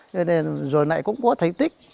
cho nên rồi lại cũng có thành tích